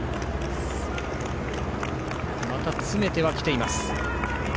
また詰めてはきています。